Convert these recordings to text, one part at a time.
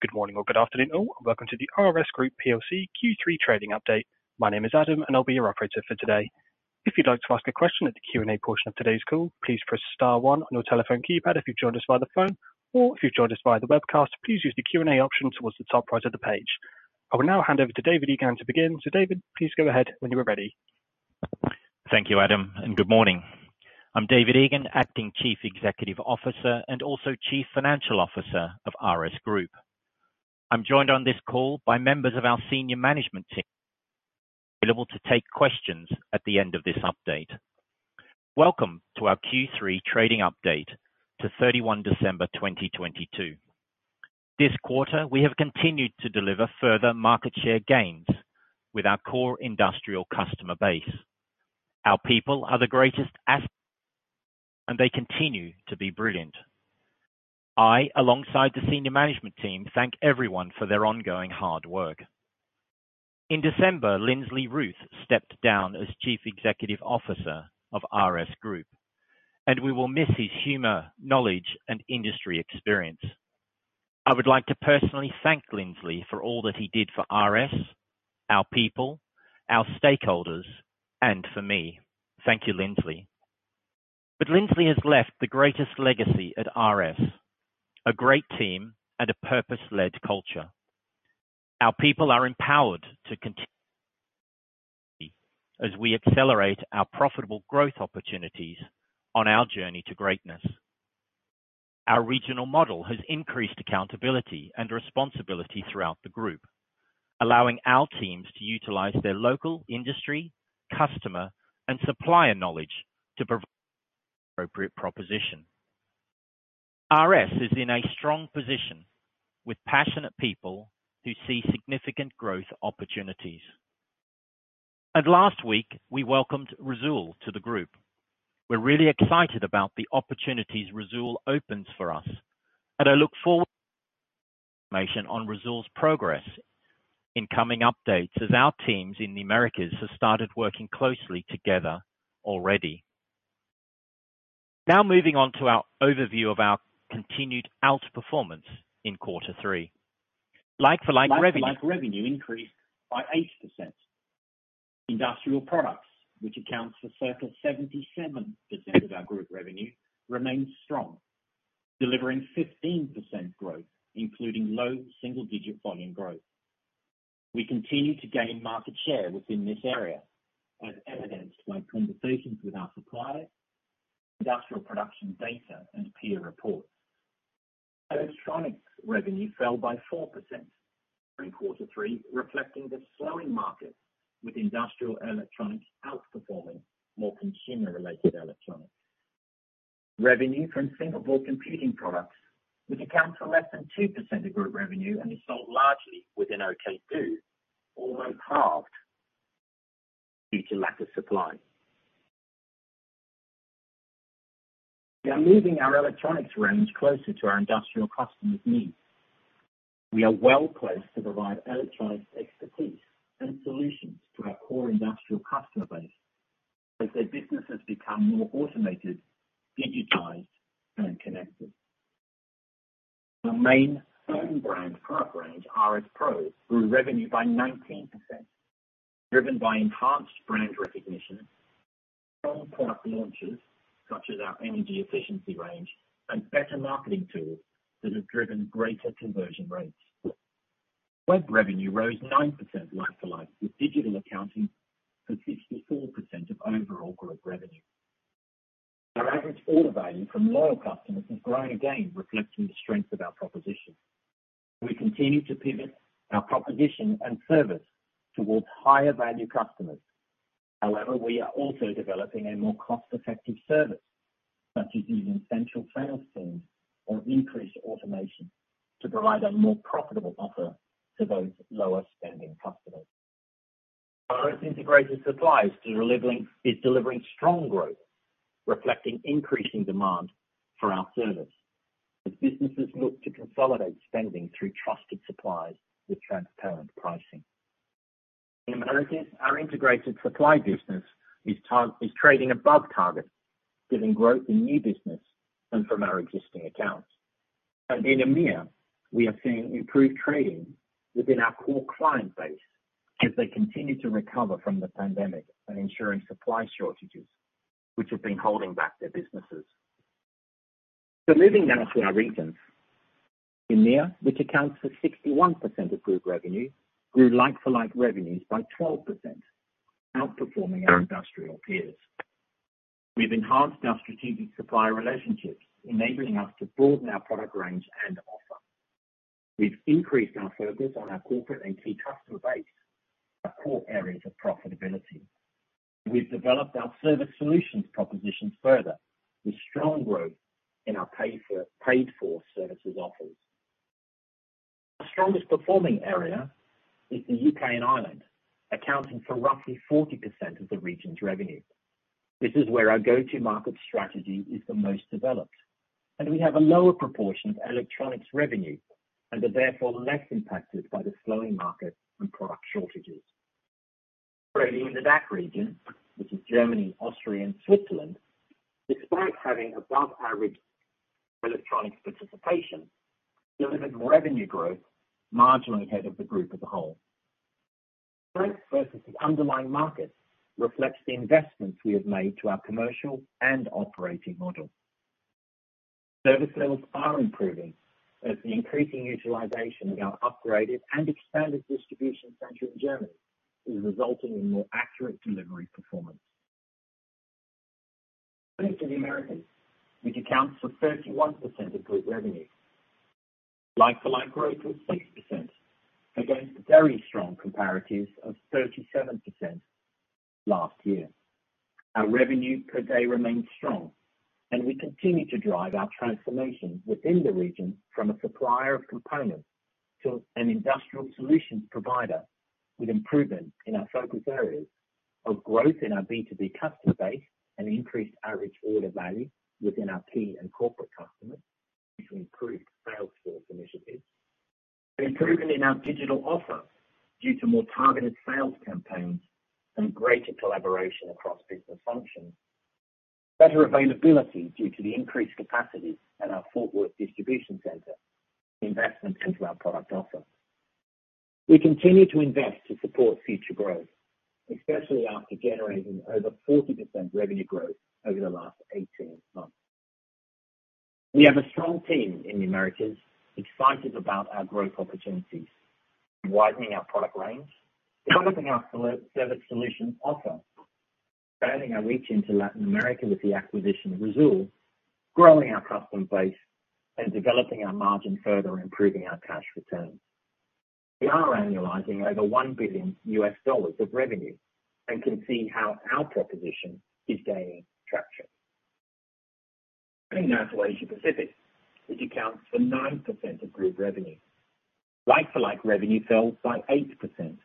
Good morning or good afternoon all. Welcome to the RS Group plc Q3 Trading Update. My name is Adam, I'll be your operator for today. If you'd like to ask a question at the Q&A portion of today's call, please press star one on your telephone keypad if you've joined us via the phone. If you've joined us via the webcast, please use the Q&A option towards the top right of the page. I will now hand over to David Egan to begin. David, please go ahead when you are ready. Thank you, Adam. Good morning. I'm David Egan, Acting Chief Executive Officer and also Chief Financial Officer of RS Group. I'm joined on this call by members of our senior management team, available to take questions at the end of this update. Welcome to our Q3 trading update to 31 December 2022. This quarter, we have continued to deliver further market share gains with our core industrial customer base. Our people are the greatest. They continue to be brilliant. I, alongside the senior management team, thank everyone for their ongoing hard work. In December, Lindsley Ruth stepped down as Chief Executive Officer of RS Group. We will miss his humor, knowledge, and industry experience. I would like to personally thank Lindsley for all that he did for RS, our people, our stakeholders, and for me. Thank you, Lindsley. Lindsley has left the greatest legacy at RS, a great team and a purpose-led culture. Our people are empowered as we accelerate our profitable growth opportunities on our journey to greatness. Our regional model has increased accountability and responsibility throughout the group, allowing our teams to utilize their local industry, customer, and supplier knowledge to appropriate proposition. RS is in a strong position with passionate people who see significant growth opportunities. Last week, we welcomed Risoul to the group. We're really excited about the opportunities Risoul opens for us, and I look forward information on Risoul's progress in coming updates as our teams in the Americas have started working closely together already. Now moving on to our overview of our continued outperformance in quarter three. Like-for-like revenue increased by 8%. Industrial products, which accounts for circa 77% of our Group revenue, remains strong, delivering 15% growth, including low single-digit volume growth. We continue to gain market share within this area, as evidenced by conversations with our suppliers, industrial production data and peer reports. Electronics revenue fell by 4% during Q3, reflecting the slowing market with industrial electronics outperforming more consumer-related electronics. Revenue from single board computing products, which account for less than 2% of Group revenue and is sold largely within OKdo, almost halved due to lack of supply. We are moving our electronics range closer to our industrial customers' needs. We are well placed to provide electronics expertise and solutions to our core industrial customer base as their businesses become more automated, digitized, and connected. Our main own brand product range, RS PRO, grew revenue by 19%, driven by enhanced brand recognition, strong product launches such as our energy efficiency range, and better marketing tools that have driven greater conversion rates. Web revenue rose 9% like-for-like, with digital accounting for 64% of overall Group revenue. Our average order value from loyal customers has grown again, reflecting the strength of our proposition. We continue to pivot our proposition and service towards higher value customers. However, we are also developing a more cost-effective service, such as using central sales teams or increased automation to provide a more profitable offer to those lower spending customers. Our Integrated Supply is delivering strong growth, reflecting increasing demand for our service as businesses look to consolidate spending through trusted suppliers with transparent pricing. In Americas, our Integrated Supply business is trading above target, giving growth in new business and from our existing accounts. In EMEA, we have seen improved trading within our core client base as they continue to recover from the pandemic and ensuring supply shortages which have been holding back their businesses. Moving now to our regions. EMEA, which accounts for 61% of group revenue, grew like-for-like revenues by 12%, outperforming our industrial peers. We've enhanced our strategic supplier relationships, enabling us to broaden our product range and offer. We've increased our focus on our corporate and key customer base, our core areas of profitability. We've developed our service solutions propositions further with strong growth in our paid for services offers. Our strongest performing area is the U.K. and Ireland, accounting for roughly 40% of the region's revenue. This is where our go-to-market strategy is the most developed, and we have a lower proportion of electronics revenue and are therefore less impacted by the slowing market and product shortages. In the DACH region, which is Germany, Austria, and Switzerland, despite having above average electronic participation, delivered revenue growth marginally ahead of the Group as a whole. Strength versus the underlying market reflects the investments we have made to our commercial and operating model. Service levels are improving as the increasing utilization of our upgraded and expanded distribution center in Germany is resulting in more accurate delivery performance. Moving to the Americas, which accounts for 31% of Group revenue. Like-for-like growth was 6% against very strong comparatives of 37% last year. Our revenue per day remains strong and we continue to drive our transformation within the region from a supplier of components to an industrial solutions provider with improvement in our focus areas of growth in our B2B customer base and increased average order value within our key and corporate customers, which improved salesforce initiatives. Improving in our digital offer due to more targeted sales campaigns and greater collaboration across business functions. Better availability due to the increased capacity at our Fort Worth distribution center investments into our product offer. We continue to invest to support future growth, especially after generating over 40% revenue growth over the last 18 months. We have a strong team in the Americas excited about our growth opportunities, widening our product range, developing our service solution offer, expanding our reach into Latin America with the acquisition of Risoul, growing our customer base, and developing our margin further, improving our cash returns. We are annualizing over $1 billion of revenue and can see how our proposition is gaining traction. Turning now to Asia Pacific, which accounts for 9% of group revenue. Like-for-like revenue fell by 8%.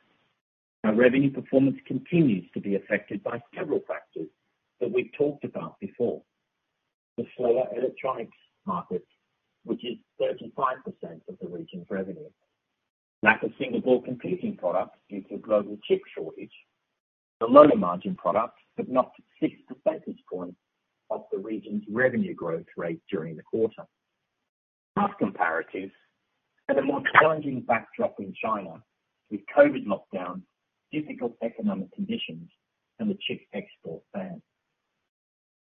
Our revenue performance continues to be affected by several factors that we've talked about before. The slower electronics market, which is 35% of the region's revenue. Lack of single-board computer products due to global chip shortage. The lower margin products have knocked 6 percentage points off the region's revenue growth rate during the quarter. Last comparatives had a more challenging backdrop in China with COVID lockdowns, difficult economic conditions, and the chip export ban.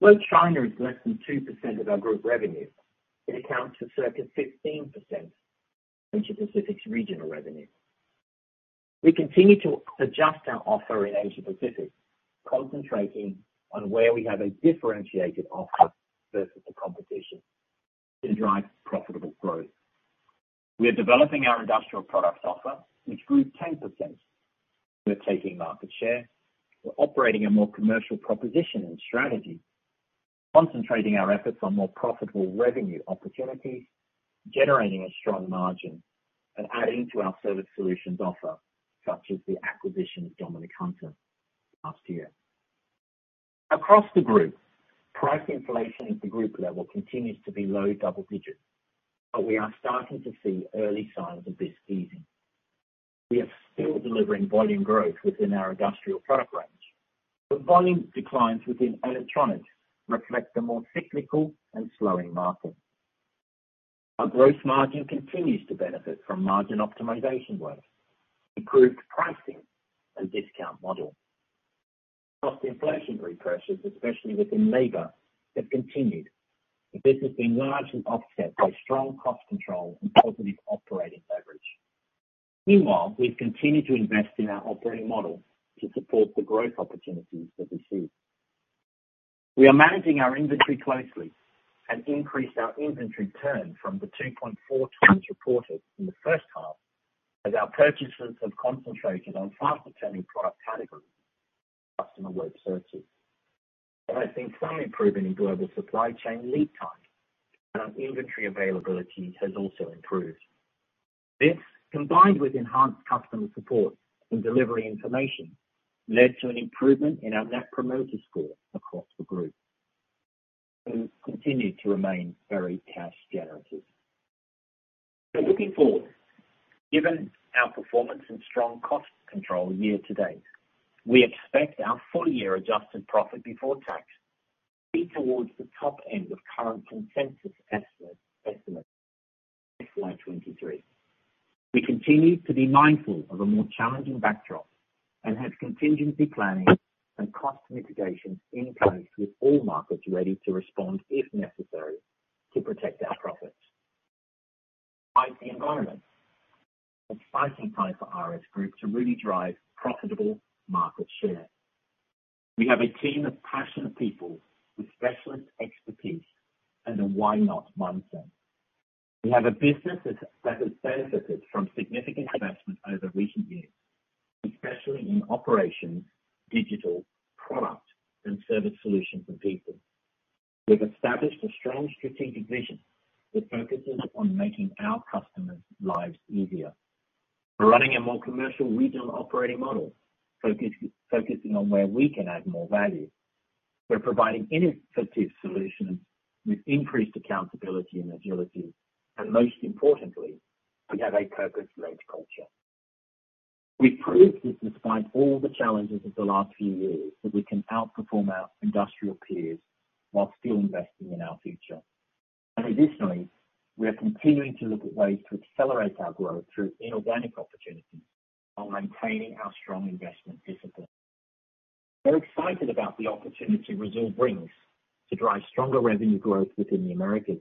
While China is less than 2% of our group revenue, it accounts for circa 15% of Asia Pacific's regional revenue. We continue to adjust our offer in Asia Pacific, concentrating on where we have a differentiated offer versus the competition to drive profitable growth. We are developing our industrial product offer, which grew 10%. We are taking market share. We're operating a more commercial proposition and strategy, concentrating our efforts on more profitable revenue opportunities, generating a strong margin and adding to our service solutions offer, such as the acquisition of Domnick hunter last year. Across the group, price inflation at the group level continues to be low double digits. We are starting to see early signs of this easing. We are still delivering volume growth within our industrial product range, but volume declines within electronics reflect a more cyclical and slowing market. Our growth margin continues to benefit from margin optimization work, improved pricing and discount model. Cost inflationary pressures, especially within labor, have continued, but this has been largely offset by strong cost control and positive operating leverage. Meanwhile, we've continued to invest in our operating model to support the growth opportunities that we see. We are managing our inventory closely and increased our inventory turn from the 2.4 times reported in the first half as our purchases have concentrated on faster turning product categories, customer web searches. I think some improvement in global supply chain lead time and our inventory availability has also improved. This, combined with enhanced customer support and delivery information, led to an improvement in our net promoter score across the group, who continued to remain very cash generative. Looking forward, given our performance and strong cost control year to date, we expect our full year adjusted profit before tax be towards the top end of current consensus estimate FY23. We continue to be mindful of a more challenging backdrop and have contingency planning and cost mitigation in place with all markets ready to respond if necessary to protect our profits. Despite the environment, exciting time for RS Group to really drive profitable market share. We have a team of passionate people with specialist expertise and a why not mindset. We have a business that has benefited from significant investment over recent years, especially in operations, digital product and service solutions and people. We've established a strong strategic vision that focuses on making our customers' lives easier. We're running a more commercial regional operating model, focusing on where we can add more value. We're providing innovative solutions with increased accountability and agility, and most importantly, we have a purpose-led culture. We've proved this despite all the challenges of the last few years, that we can outperform our industrial peers while still investing in our future. Additionally, we are continuing to look at ways to accelerate our growth through inorganic opportunities while maintaining our strong investment discipline. We're excited about the opportunity Risoul brings to drive stronger revenue growth within the Americas,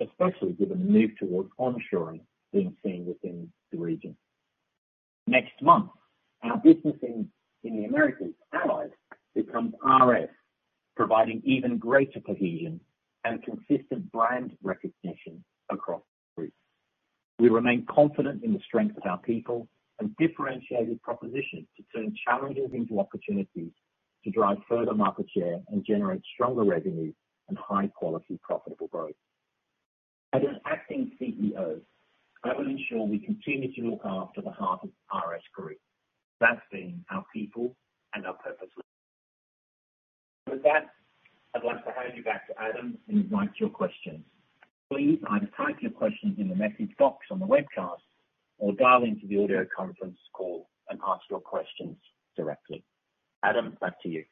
especially given the move towards onshoring being seen within the region. Next month, our business in the Americas, Allied, becomes RS, providing even greater cohesion and consistent brand recognition across the Group. We remain confident in the strength of our people and differentiated proposition to turn challenges into opportunities to drive further market share and generate stronger revenue and high-quality, profitable growth. As an acting CEO, I will ensure we continue to look after the heart of RS Group. That's been our people and our purpose. With that, I'd like to hand you back to Adam, who invites your questions. Please either type your questions in the message box on the webcast or dial into the audio conference call and ask your questions directly. Adam, back to you.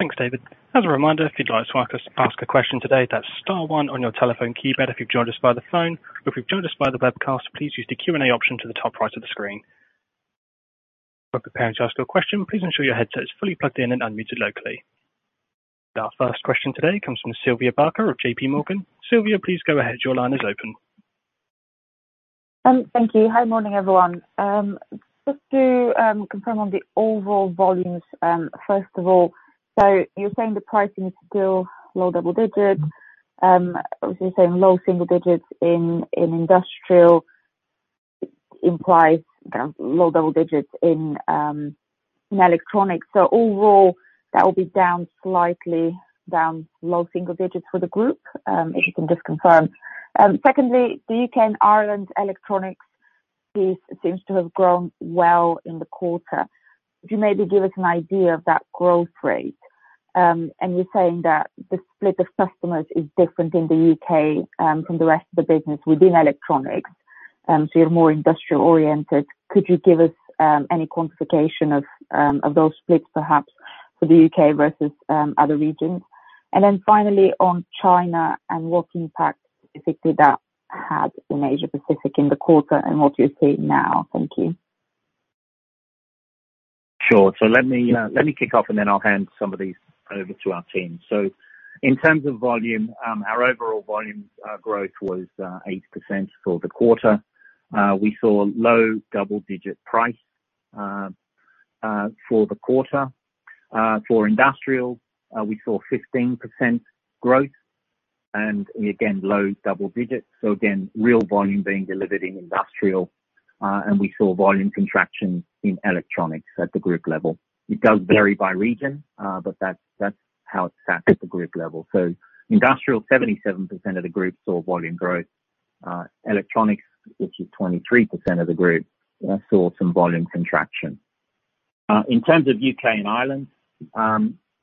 Thanks, David. As a reminder, if you'd like to ask a question today, that's star one on your telephone keypad if you've joined us by the phone. If you've joined us by the webcast, please use the Q&A option to the top right of the screen. If you're preparing to ask your question, please ensure your headset is fully plugged in and unmuted locally. Our first question today comes from Sylvia Barker of JPMorgan. Sylvia, please go ahead. Your line is open. Thank you. Hi. Morning, everyone. Just to confirm on the overall volumes, first of all, you're saying the pricing is still low double digits. Obviously you're saying low single digits in industrial implies low double digits in electronics. Overall, that will be down slightly, down low single digits for the group, if you can just confirm. Secondly, the U.K. and Ireland electronics piece seems to have grown well in the quarter. Could you maybe give us an idea of that growth rate? You're saying that the split of customers is different in the U.K. from the rest of the business within electronics. You're more industrial-oriented. Could you give us any quantification of those splits, perhaps for the U.K versus other regions? Then finally on China and what impact specifically that had in Asia Pacific in the quarter and what you're seeing now. Thank you. Sure. Let me kick off, and then I'll hand some of these over to our team. In terms of volume, our overall volume growth was 8% for the quarter. We saw low double-digit price for the quarter. For industrial, we saw 15% growth and again, low double digits. Again, real volume being delivered in industrial. We saw volume contraction in electronics at the group level. It does vary by region, but that's how it sat at the group level. Industrial, 77% of the group saw volume growth. Electronics, which is 23% of the group, saw some volume contraction. In terms of U.K. and Ireland,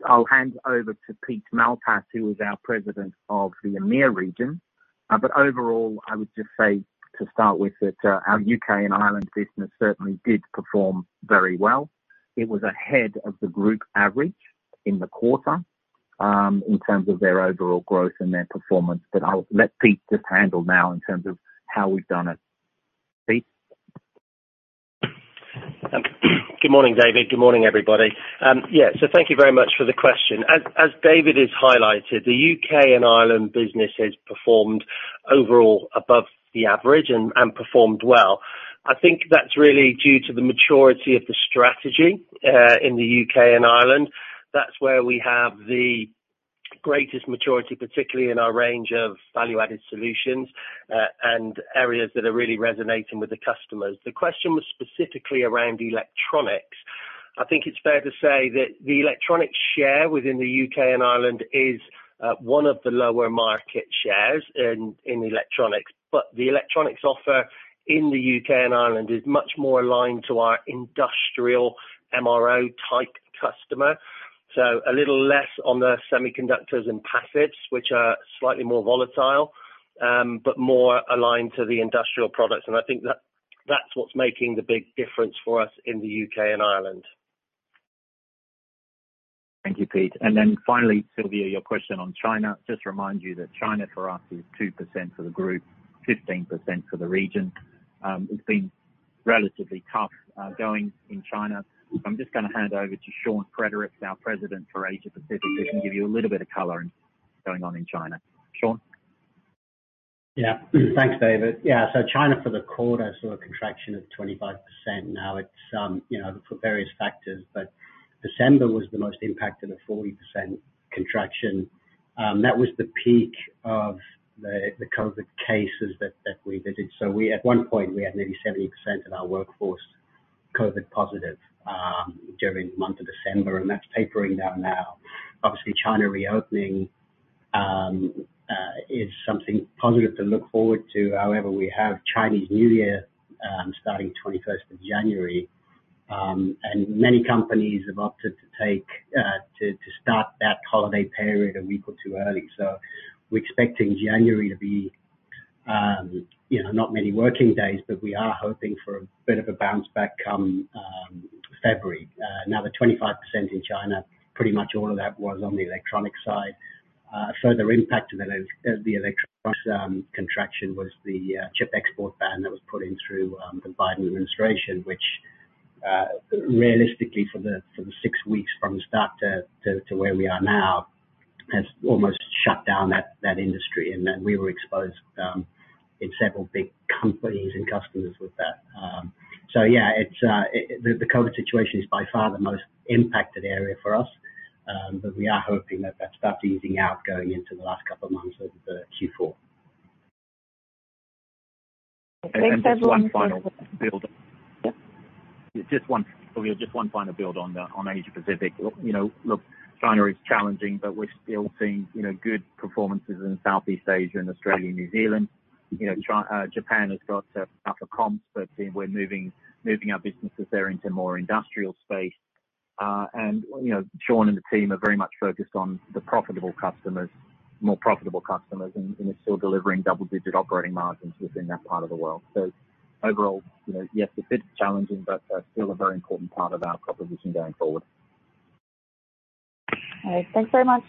I'll hand over to Pete Malpas, who is our President of the EMEA region. Overall, I would just say to start with that, our U.K. and Ireland business certainly did perform very well. It was ahead of the group average in the quarter, in terms of their overall growth and their performance. I'll let Pete just handle now in terms of how we've done it. Pete. Good morning, David. Good morning, everybody. Yeah. Thank you very much for the question. As David has highlighted, the U.K. and Ireland business has performed overall above the average and performed well. I think that's really due to the maturity of the strategy in the U.K. and Ireland. That's where we have the greatest maturity, particularly in our range of value-added solutions and areas that are really resonating with the customers. The question was specifically around electronics. I think it's fair to say that the electronics share within the U.K. and Ireland is one of the lower market shares in electronics, but the electronics offer in the U.K. and Ireland is much more aligned to our industrial MRO type customer. A little less on the semiconductors and passives, which are slightly more volatile, but more aligned to the industrial products. I think that's what's making the big difference for us in the U.K. and Ireland. Thank you, Pete. Then finally, Sylvia, your question on China. Just remind you that China for us is 2% for the group, 15% for the region. It's been relatively tough, going in China. I'm just gonna hand over to Sean Fredericks, our President for Asia Pacific who can give you a little bit of color going on in China. Sean? Yeah. Thanks, David. Yeah. China for the quarter saw a contraction of 25%. Now it's, you know, for various factors, but December was the most impacted at 40% contraction. That was the peak of the COVID cases that we visited. At one point, we had nearly 70% of our workforce COVID positive during the month of December, and that's tapering down now. Obviously, China reopening is something positive to look forward to. However, we have Chinese New Year, starting 21st of January. Many companies have opted to start that holiday period a week or too early. We're expecting January to be, you know, not many working days, but we are hoping for a bit of a bounce back come February. Now the 25% in China, pretty much all of that was on the electronic side. Further impact of the electronics contraction was the chip export controls that was put in through the Biden administration, which, realistically for the six weeks from the start to where we are now, has almost shut down that industry. Then we were exposed in several big companies and customers with that. Yeah, it's the COVID situation is by far the most impacted area for us, but we are hoping that that starts easing out going into the last couple of months of the Q4. Thanks everyone. Just one final build. Just one, Sylvia, just one final build on the, on Asia Pacific. Look, China is challenging, we're still seeing, you know, good performances in Southeast Asia and Australia and New Zealand. Japan has got tougher comps, we're moving our businesses there into more industrial space. Sean and the team are very much focused on the profitable customers, more profitable customers, are still delivering double-digit operating margins within that part of the world. Overall, you know, yes, it's challenging, still a very important part of our proposition going forward. All right, thanks very much.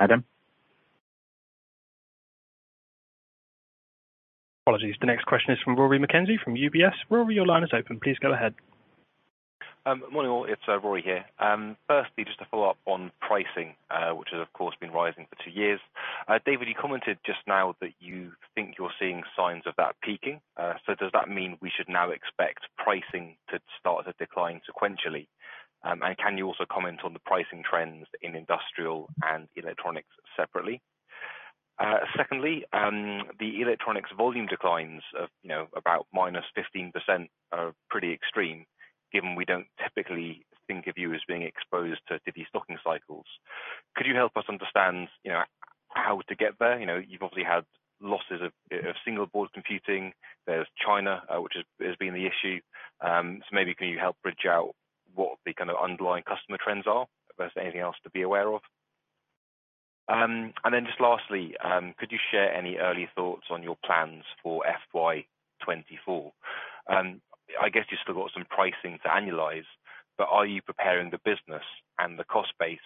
Adam. Apologies. The next question is from Rory McKenzie from UBS. Rory, your line is open. Please go ahead. Morning all. It's Rory here. Firstly, just to follow up on pricing, which has, of course, been rising for two years. David, you commented just now that you think you're seeing signs of that peaking. Does that mean we should now expect pricing to start to decline sequentially? Can you also comment on the pricing trends in industrial and electronics separately? Secondly, the electronics volume declines of, you know, about minus 15% are pretty extreme, given we don't typically think of you as being exposed to these stocking cycles. Could you help us understand, you know, how to get there? You know, you've obviously had losses of single board computing. There's China, which has been the issue. Maybe can you help bridge out what the kind of underlying customer trends are versus anything else to be aware of? Just lastly, could you share any early thoughts on your plans for FY24? I guess you've still got some pricing to annualize, but are you preparing the business and the cost base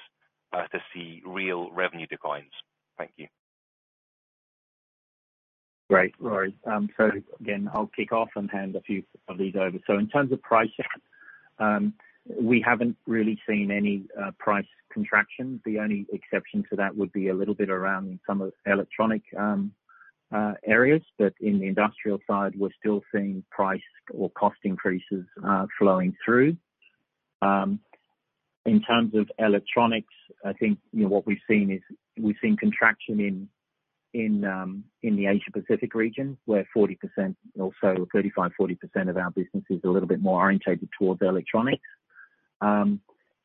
to see real revenue declines? Thank you. Great, Rory. Again, I'll kick off and hand a few of these over. In terms of pricing, we haven't really seen any price contraction. The only exception to that would be a little bit around some of electronic areas. In the industrial side, we're still seeing price or cost increases flowing through. In terms of electronics, I think, you know, what we've seen is we've seen contraction in the Asia Pacific region, where 40% or so, 35%, 40% of our business is a little bit more orientated towards electronics. I'm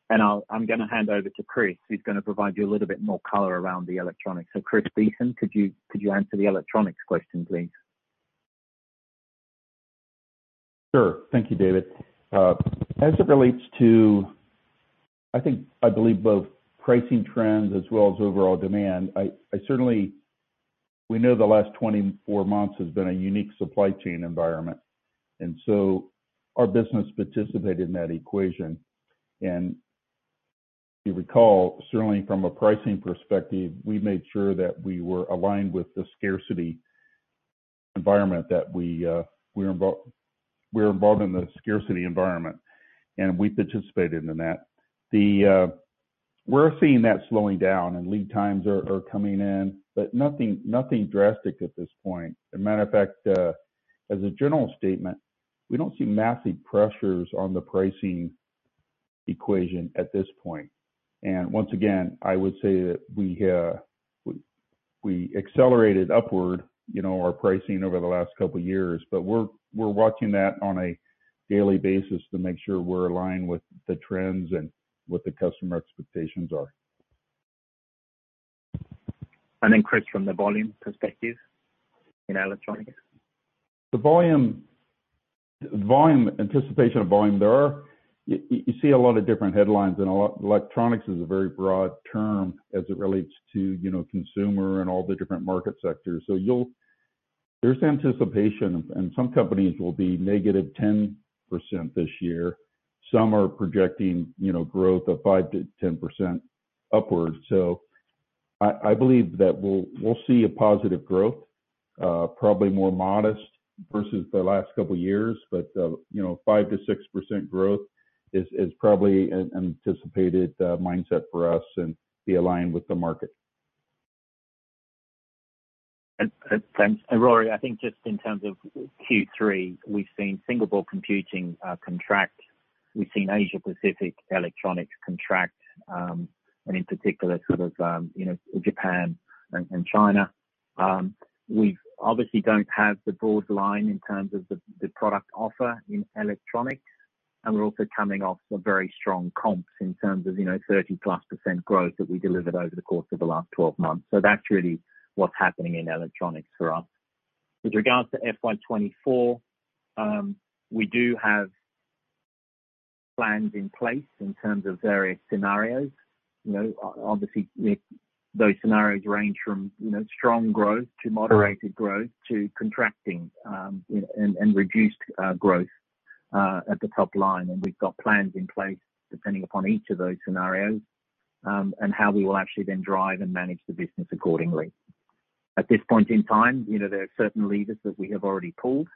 gonna hand over to Chris, who's gonna provide you a little bit more color around the electronics. Chris Beeson, could you answer the electronics question, please? Sure. Thank you, David. As it relates to I think, I believe both pricing trends as well as overall demand, I certainly, we know the last 24 months has been a unique supply chain environment. Our business participated in that equation. If you recall, certainly from a pricing perspective, we made sure that we were aligned with the scarcity environment that we're involved in the scarcity environment, and we participated in that. We're seeing that slowing down and lead times are coming in, but nothing drastic at this point. As a general statement, we don't see massive pressures on the pricing equation at this point. Once again, I would say that we accelerated upward, you know, our pricing over the last couple of years, but we're watching that on a daily basis to make sure we're aligned with the trends and what the customer expectations are. Chris, from the volume perspective in electronics. The volume anticipation of volume you see a lot of different headlines and electronics is a very broad term as it relates to, you know, consumer and all the different market sectors. There's anticipation, and some companies will be -10% this year. Some are projecting, you know, growth of 5%-10% upwards. I believe that we'll see a positive growth, probably more modest versus the last couple years. You know, 5%-6% growth is probably an anticipated mindset for us and be aligned with the market. Thanks. Rory, I think just in terms of Q3, we've seen single-board computing contract. We've seen Asia Pacific electronics contract, and in particular sort of, you know, Japan and China. We obviously don't have the broad line in terms of the product offer in electronics, and we're also coming off some very strong comps in terms of, you know, 30%+ growth that we delivered over the course of the last 12 months. That's really what's happening in electronics for us. With regards to FY24, we do have plans in place in terms of various scenarios. You know, obviously, those scenarios range from, you know, strong growth to moderated growth to contracting, and reduced growth at the top line. We've got plans in place depending upon each of those scenarios, and how we will actually then drive and manage the business accordingly. At this point in time, you know, there are certain levers that we have already pulled,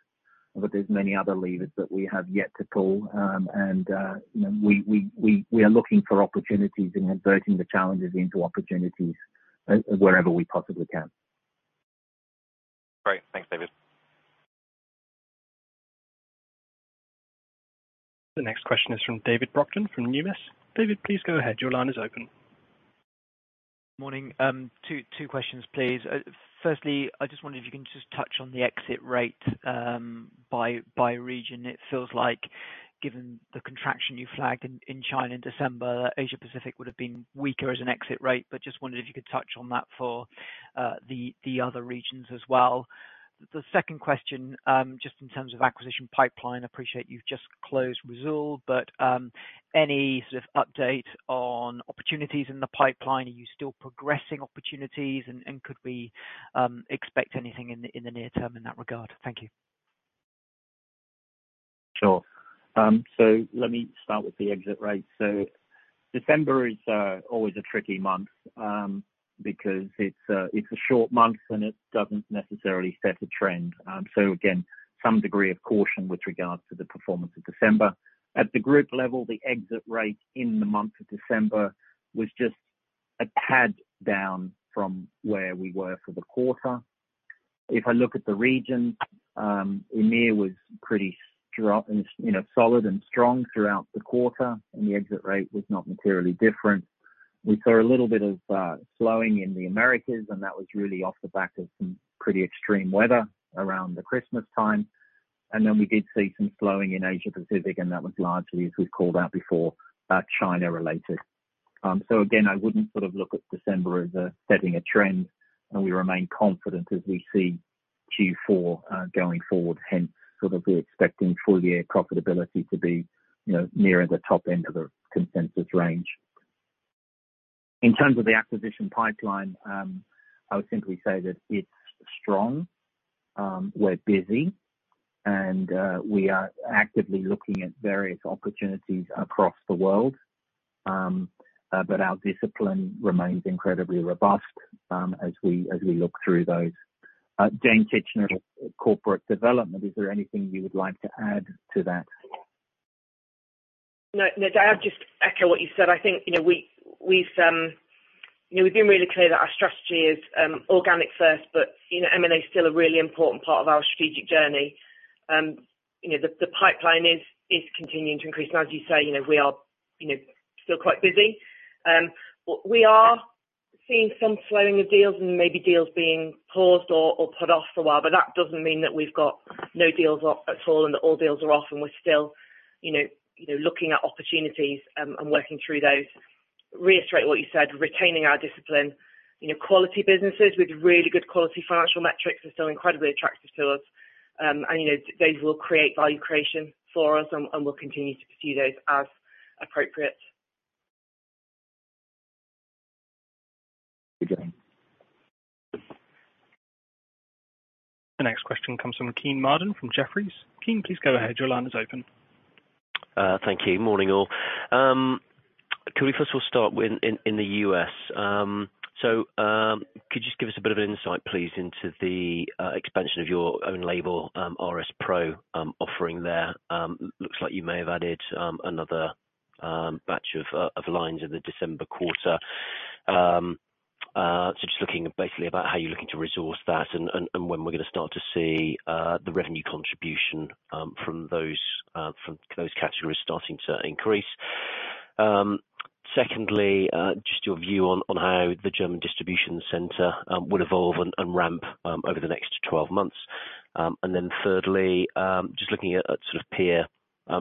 but there's many other levers that we have yet to pull. You know, we are looking for opportunities and inverting the challenges into opportunities wherever we possibly can. Great. Thanks, David. The next question is from David Brockton from Numis. David, please go ahead. Your line is open. Morning. two questions, please. Firstly, I just wonder if you can just touch on the exit rate by region. It feels like given the contraction you flagged in China in December, Asia Pacific would have been weaker as an exit rate. Just wondered if you could touch on that for the other regions as well. The second question, just in terms of acquisition pipeline, appreciate you've just closed Risoul, but any sort of update on opportunities in the pipeline? Are you still progressing opportunities? Could we expect anything in the near term in that regard? Thank you. Sure. Let me start with the exit rate. December is always a tricky month because it's a short month, and it doesn't necessarily set a trend. Again, some degree of caution with regards to the performance of December. At the group level, the exit rate in the month of December was just a tad down from where we were for the quarter. If I look at the region, EMEA was pretty strong and you know, solid and strong throughout the quarter, and the exit rate was not materially different. We saw a little bit of slowing in the Americas, and that was really off the back of some pretty extreme weather around the Christmas time. We did see some slowing in Asia Pacific, and that was largely, as we've called out before, China-related. Again, I wouldn't sort of look at December as setting a trend, and we remain confident as we see Q4 going forward. Hence, sort of we're expecting full year profitability to be, you know, nearer the top end of the consensus range. In terms of the acquisition pipeline, I would simply say that it's strong. We're busy, we are actively looking at various opportunities across the world. Our discipline remains incredibly robust as we look through those. Jane Titchener, Corporate Development, is there anything you would like to add to that? No. No, Dave, just echo what you said. I think, you know, we've, you know, we've been really clear that our strategy is organic first, but you know, M&A is still a really important part of our strategic journey. You know, the pipeline is continuing to increase. As you say, you know, we are, you know, still quite busy. We are seeing some slowing of deals and maybe deals being paused or put off for a while, but that doesn't mean that we've got no deals at all and that all deals are off. We're still, you know, looking at opportunities and working through those. Reiterate what you said, retaining our discipline. You know, quality businesses with really good quality financial metrics are still incredibly attractive to us you know, those will create value creation for us, and we'll continue to pursue those as appropriate. Thank you. The next question comes from Kean Marden from Jefferies. Kean, please go ahead. Your line is open. Thank you. Morning, all. Could we first of all start with in the U.S.? Could you just give us a bit of an insight, please, into the expansion of your own label, RS PRO, offering there? Looks like you may have added another batch of lines in the December quarter. Just looking basically about how you're looking to resource that and when we're gonna start to see the revenue contribution from those categories starting to increase. Secondly, just your view on how the German distribution center would evolve and ramp over the next 12 months. Thirdly, just looking at sort of peer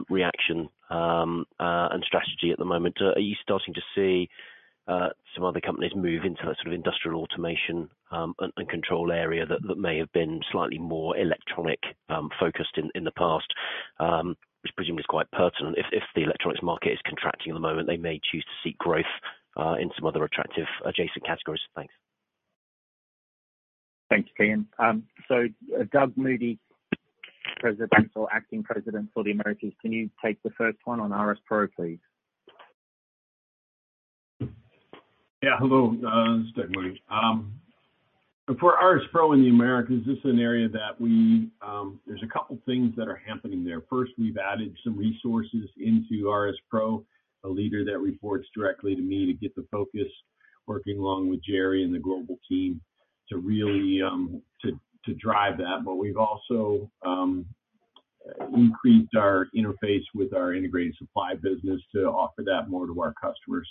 reaction and strategy at the moment. Are you starting to see, some other companies move into that sort of industrial automation, and control area that may have been slightly more electronic, focused in the past? Which presumably is quite pertinent if the electronics market is contracting at the moment, they may choose to seek growth, in some other attractive adjacent categories. Thanks. Thanks, Kean. Doug Moody, President or Acting President for the Americas, can you take the first one on RS PRO, please? Yeah. Hello. This is Douglas Moody. For RS PRO in the Americas, this is an area that we, there's a couple things that are happening there. First, we've added some resources into RS PRO, a leader that reports directly to me to get the focus working along with Gerry and the global team to really drive that. We've also increased our interface with our Integrated Supply business to offer that more to our customers.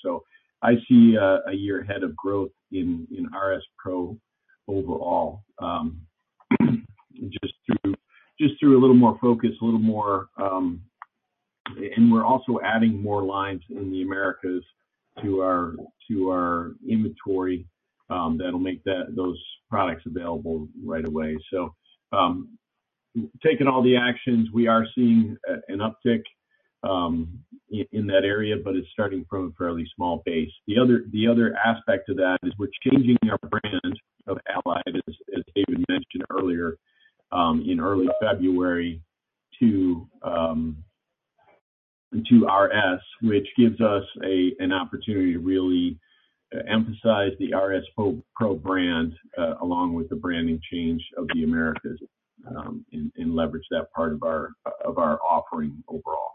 I see a year ahead of growth in RS PRO overall. Just through a little more focus, a little more. We're also adding more lines in the Americas to our inventory that'll make those products available right away. Taking all the actions, we are seeing an uptick in that area, but it's starting from a fairly small base. The other aspect of that is we're changing our brand of Allied, as David mentioned earlier, in early February to RS, which gives us an opportunity to really emphasize the RS PRO brand, along with the branding change of the Americas, and leverage that part of our, of our offering overall.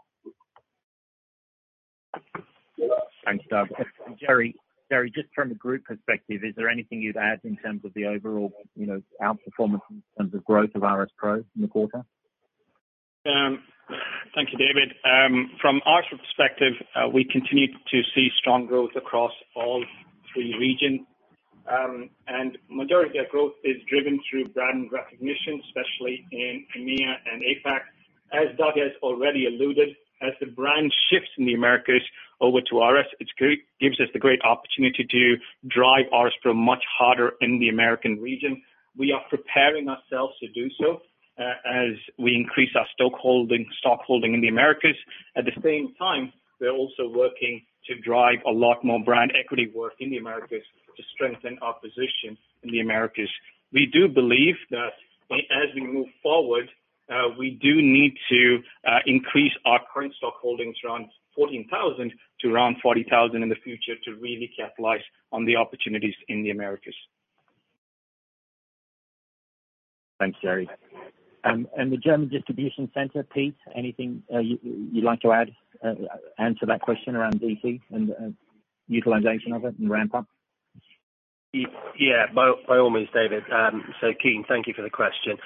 Thanks, Doug. Jerry, just from a group perspective, is there anything you'd add in terms of the overall, you know, outperformance in terms of growth of RS PRO in the quarter? Thank you, David. From our perspective, we continue to see strong growth across all three regions. Majority of growth is driven through brand recognition, especially in EMEA and APAC. As Doug has already alluded, as the brand shifts in the Americas over to RS, it gives us the great opportunity to drive RS PRO much harder in the American region. We are preparing ourselves to do so as we increase our stockholding in the Americas. At the same time, we're also working to drive a lot more brand equity work in the Americas to strengthen our position in the Americas. We do believe that as we move forward, we do need to increase our current stock holdings around 14,000 to around 40,000 in the future to really capitalize on the opportunities in the Americas. Thanks, Jerry. The German distribution center, Pete, anything you'd like to add? Answer that question around DC and utilization of it and ramp up. Yeah, by all means, David. Kean, thank you for the question.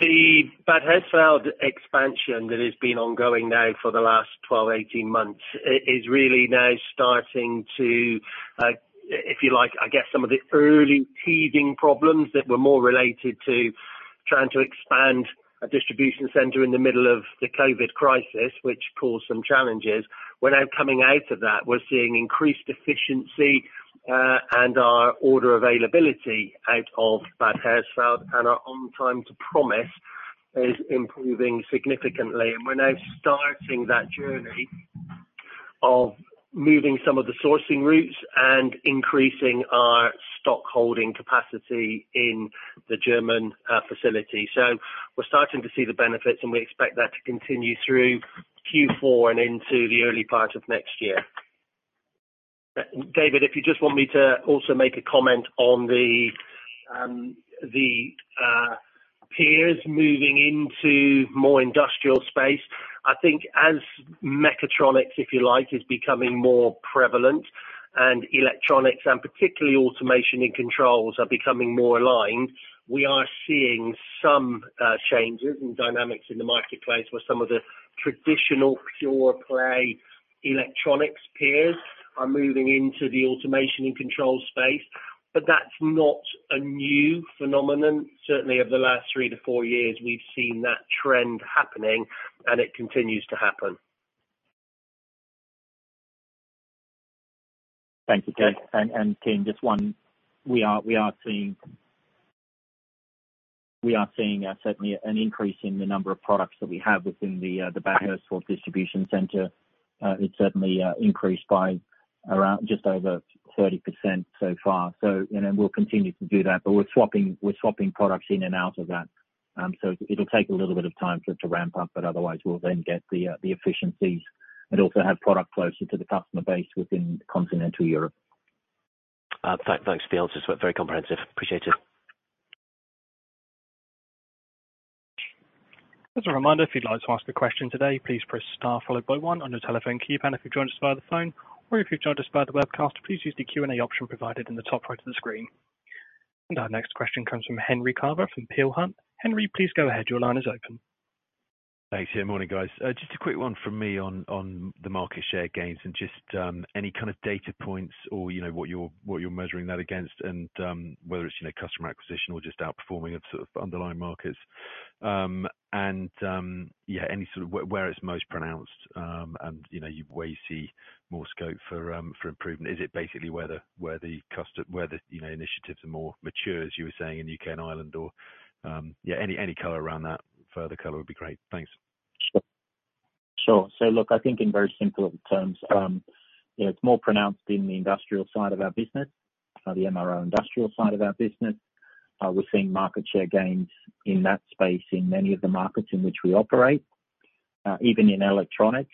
The Bad Hersfeld expansion that has been ongoing now for the last 12, 18 months is really now starting to, if you like, I guess some of the early teething problems that were more related to trying to expand a distribution center in the middle of the COVID crisis, which caused some challenges. We're now coming out of that. We're seeing increased efficiency, and our order availability out of Bad Hersfeld and our on-time to promise is improving significantly. We're now starting that journey of moving some of the sourcing routes and increasing our stock holding capacity in the German facility. We're starting to see the benefits, and we expect that to continue through Q4 and into the early part of next year. David, if you just want me to also make a comment on the peers moving into more industrial space. I think as mechatronics, if you like, is becoming more prevalent and electronics and particularly automation and controls are becoming more aligned, we are seeing some changes in dynamics in the marketplace where some of the traditional pure play electronics peers are moving into the automation and control space. But that's not a new phenomenon. Certainly over the last three to four years, we've seen that trend happening and it continues to happen. Thank you, Pete. Kean, just one. We are seeing certainly an increase in the number of products that we have within the Bad Hersfeld distribution center. It's certainly increased by around just over 30% so far. You know, we'll continue to do that, but we're swapping products in and out of that. It'll take a little bit of time for it to ramp up, but otherwise we'll then get the efficiencies and also have product closer to the customer base within continental Europe. Thanks for the answers, were very comprehensive. Appreciate it. As a reminder, if you'd like to ask a question today, please press star followed by one on your telephone keypad if you've joined us via the phone or if you've joined us via the webcast, please use the Q&A option provided in the top right of the screen. Our next question comes from Henry Carver from Peel Hunt. Henry, please go ahead. Your line is open. Thanks. Yeah, morning, guys. Just a quick one from me on the market share gains and just any kind of data points or, you know, what you're, what you're measuring that against and whether it's, you know, customer acquisition or just outperforming of sort of underlying markets. Any sort of where it's most pronounced and you know, where you see more scope for improvement. Is it basically where the, you know, initiatives are more mature as you were saying in U.K. and Ireland or any color around that, further color would be great. Thanks. Sure. Look, I think in very simple terms, you know, it's more pronounced in the industrial side of our business, the MRO industrial side of our business. We're seeing market share gains in that space in many of the markets in which we operate. Even in electronics,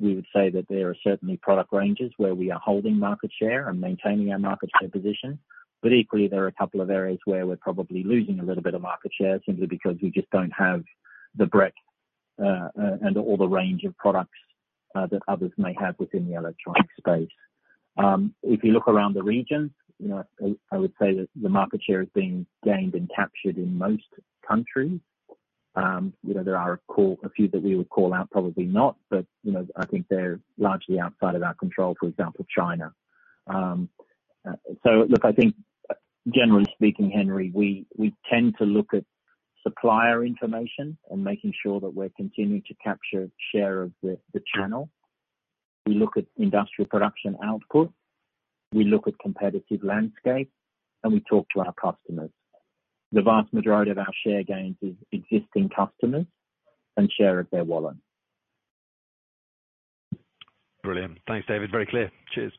we would say that there are certainly product ranges where we are holding market share and maintaining our market share position. Equally, there are a couple of areas where we're probably losing a little bit of market share simply because we just don't have the breadth and all the range of products that others may have within the electronic space. If you look around the region, you know, I would say that the market share is being gained and captured in most countries. You know, there are a few that we would call out, probably not, but, you know, I think they're largely outside of our control, for example, China. Look, I think generally speaking, Henry, we tend to look at supplier information and making sure that we're continuing to capture share of the channel. We look at industrial production output, we look at competitive landscape, and we talk to our customers. The vast majority of our share gains is existing customers and share of their wallet. Brilliant. Thanks, David. Very clear. Cheers.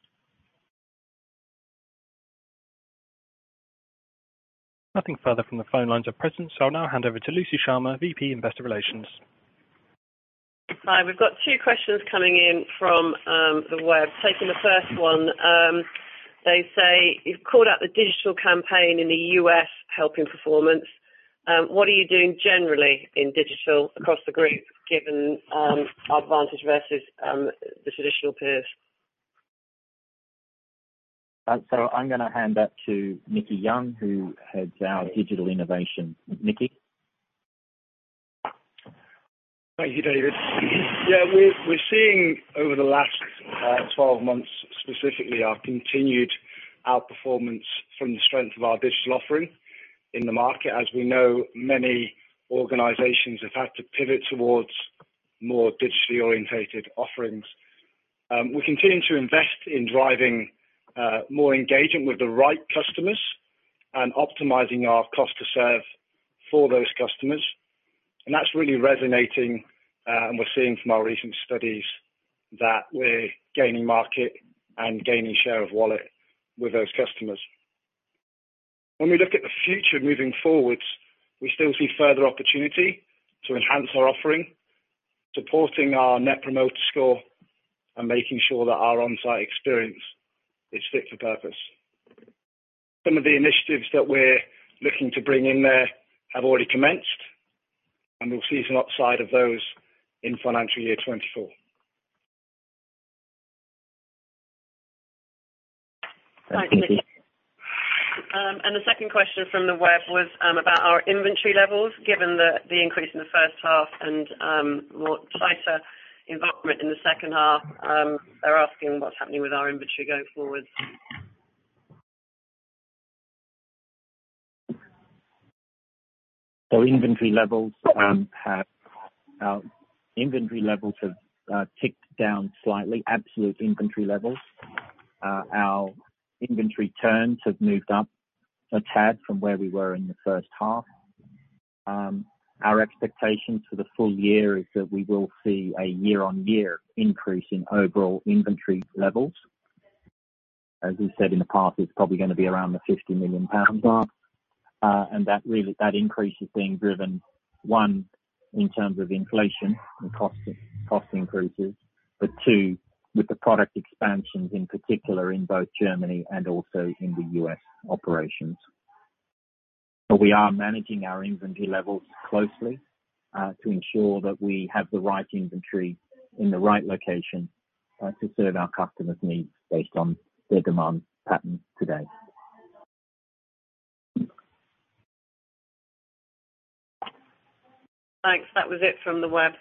Nothing further from the phone lines at present, so I'll now hand over to Lucy Sharma, VP, Investor Relations. Hi. We've got two questions coming in from the web. Taking the first one, they say, "You've called out the digital campaign in the U.S. helping performance. What are you doing generally in digital across the Group, given our advantage versus the traditional peers? I'm gonna hand that to Nicki Young, who heads our digital innovation. Nicki? Thank you, David. Yeah, we're seeing over the last 12 months specifically, our continued outperformance from the strength of our digital offering in the market. As we know, many organizations have had to pivot towards more digitally oriented offerings. We continue to invest in driving more engagement with the right customers and optimizing our cost to serve for those customers. That's really resonating, and we're seeing from our recent studies that we're gaining market and gaining share of wallet with those customers. We look at the future moving forward, we still see further opportunity to enhance our offering, supporting our net promoter score, and making sure that our on-site experience is fit for purpose. Some of the initiatives that we're looking to bring in there have already commenced. We'll see some upside of those in FY24. Thanks, Nicky. The second question from the web was about our inventory levels, given the increase in the first half and more tighter involvement in the second half. They're asking what's happening with our inventory going forward. Inventory levels have ticked down slightly, absolute inventory levels. Our inventory turns have moved up a tad from where we were in the first half. Our expectation for the full year is that we will see a year-on-year increase in overall inventory levels. As we said in the past, it's probably gonna be around the 50 million pounds mark. That increase is being driven, one, in terms of inflation and cost increases, two, with the product expansions, in particular in both Germany and also in the U.S. operations. We are managing our inventory levels closely to ensure that we have the right inventory in the right location to serve our customers' needs based on their demand pattern today. Thanks. That was it from the web.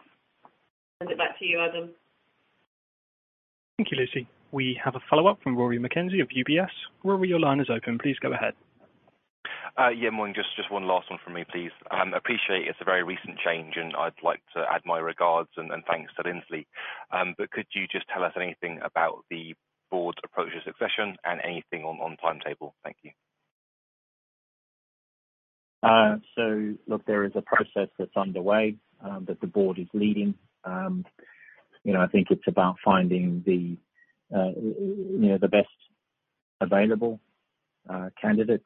Send it back to you, Adam. Thank you, Lucy. We have a follow-up from Rory McKenzie of UBS. Rory, your line is open. Please go ahead. Yeah, morning. Just one last one from me, please. Appreciate it's a very recent change, and I'd like to add my regards and thanks to Lindsley. Could you just tell us anything about the board approach to succession and anything on timetable? Thank you. Look, there is a process that's underway that the board is leading. You know, I think it's about finding the, you know, the best available candidates,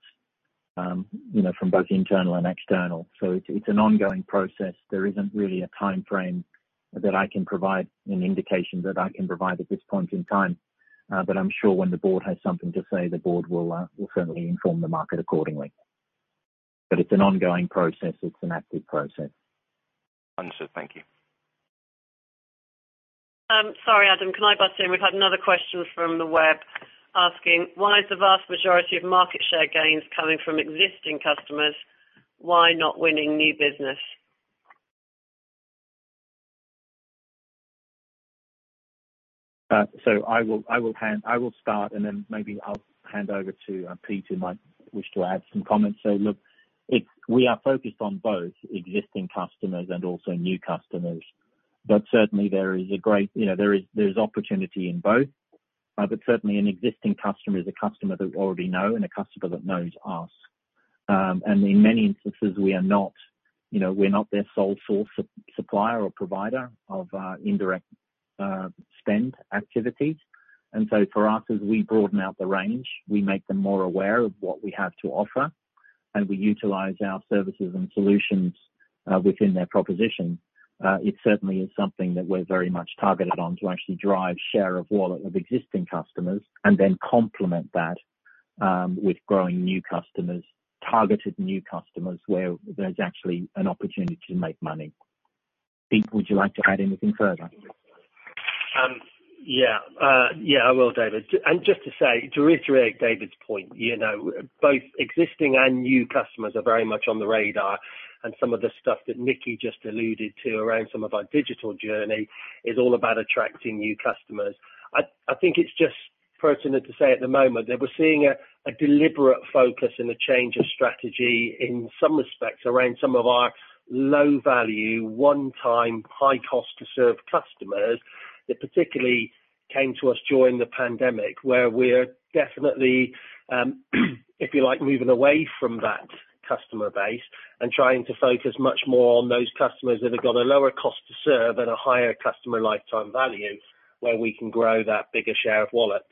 you know, from both internal and external. It's an ongoing process. There isn't really a timeframe that I can provide, an indication that I can provide at this point in time. I'm sure when the board has something to say, the board will certainly inform the market accordingly. It's an ongoing process. It's an active process. Understood. Thank you. Sorry, Adam, can I butt in? We've had another question from the web asking: Why is the vast majority of market share gains coming from existing customers? Why not winning new business? I will start and then maybe I'll hand over to Pete, who might wish to add some comments. Look, we are focused on both existing customers and also new customers. Certainly there is a great, you know, there's opportunity in both. Certainly an existing customer is a customer that we already know and a customer that knows us. In many instances we are not, you know, we're not their sole source of supplier or provider of indirect spend activities. For us, as we broaden out the range, we make them more aware of what we have to offer, and we utilize our services and solutions within their proposition. It certainly is something that we're very much targeted on to actually drive share of wallet of existing customers and then complement that with growing new customers, targeted new customers, where there's actually an opportunity to make money. Pete, would you like to add anything further? Yeah, I will, David. Just to say, to reiterate David's point, you know, both existing and new customers are very much on the radar, and some of the stuff that Nicki just alluded to around some of our digital journey is all about attracting new customers. I think it's just pertinent to say at the moment that we're seeing a deliberate focus and a change of strategy in some respects around some of our low-value, one-time, high-cost to serve customers that particularly came to us during the pandemic, where we're definitely, if you like, moving away from that customer base and trying to focus much more on those customers that have got a lower cost to serve and a higher customer lifetime value, where we can grow that bigger share of wallet.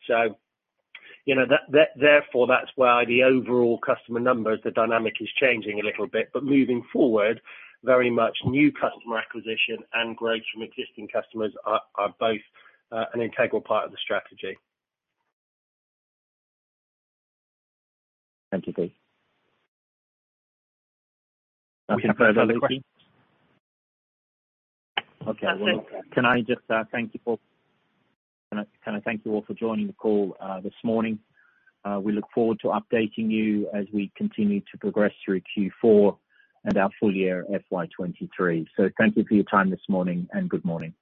You know, that, therefore, that's why the overall customer numbers, the dynamic is changing a little bit. Moving forward, very much new customer acquisition and growth from existing customers are both an integral part of the strategy. Thank you, Pete. Nothing further, Lucy? Okay. Can I just thank you all for joining the call this morning. We look forward to updating you as we continue to progress through Q4 and our full year FY23. Thank you for your time this morning, and good morning.